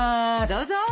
どうぞ。